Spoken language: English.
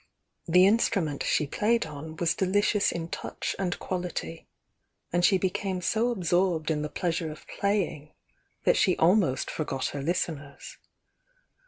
The instrument she played on was dehcious in touch and quality, and she became so absorbed in the pleasure of playing that she almost forgot her listeners.